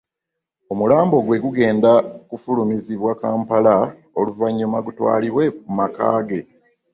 Omulambo gwe gugenda kufulumizibwa Kampala oluvannyuma gutwalibwe mu maka ge